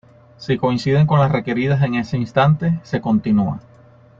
Si coinciden con las requeridas en ese instante, se continúa.